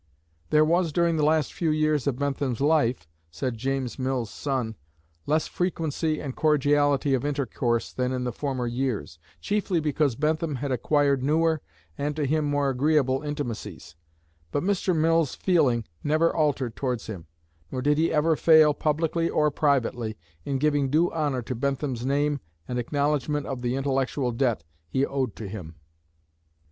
"There was during the last few years of Bentham's life," said James Mill's son, "less frequency and cordiality of intercourse than in former years, chiefly because Bentham had acquired newer, and to him more agreeable intimacies, but Mr. Mill's feeling never altered towards him, nor did he ever fail, publicly or privately, in giving due honor to Bentham's name and acknowledgment of the intellectual debt he owed to him."